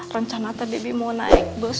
rencana teh bibi mau naik bus